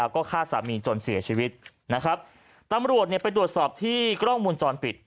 ก็ฆ่าสามีจนเสียชีวิตนะครับตำรวจเนี่ยไปตรวจสอบที่กล้องมูลจรปิด